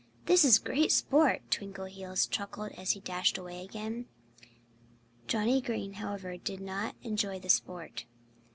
"This is great sport!" Twinkleheels chuckled as he dashed away again. Johnnie Green, however, did not enjoy the sport.